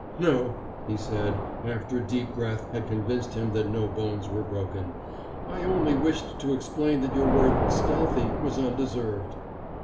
"No," he said, after a deep breath had convinced him that no bones were broken. "I only wished to explain that your word 'stealthy' was undeserved."